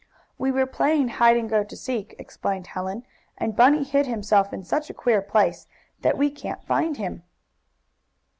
"We were playing hide and go to seek," explained Helen, "and Bunny hid himself in such a queer place that we can't find him."